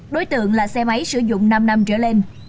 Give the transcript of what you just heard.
đối tượng là xe máy sử dụng năm năm trở lên